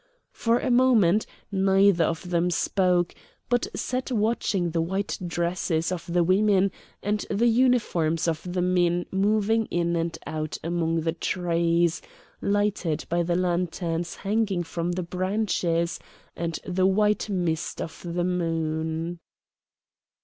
For a moment neither of them spoke, but sat watching the white dresses of the women and the uniforms of the men moving in and out among the trees, lighted by the lanterns hanging from the branches, and the white mist of the moon.